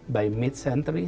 dalam setengah tahun